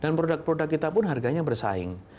dan produk produk kita harganya bersahing